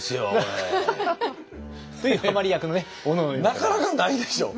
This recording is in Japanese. なかなかないでしょ